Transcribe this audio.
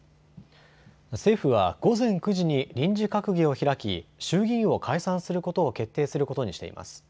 政府は午前９時に臨時閣議を開き、衆議院を解散することを決定することにしています。